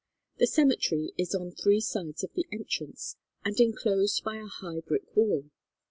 The cemetery is on three sides of the entrance and enclosed by a high brick wall.